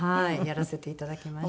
やらせていただきました。